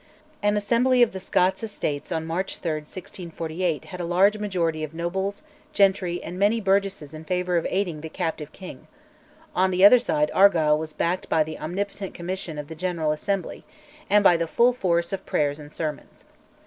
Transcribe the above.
An Assembly of the Scots Estates on March 3, 1648, had a large majority of nobles, gentry, and many burgesses in favour of aiding the captive king; on the other side Argyll was backed by the omnipotent Commission of the General Assembly, and by the full force of prayers and sermons.